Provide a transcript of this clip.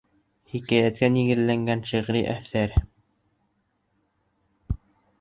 Хикәйәткә нигеҙләнгән шиғри әҫәр.